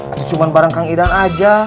itu cuma bareng kang idan aja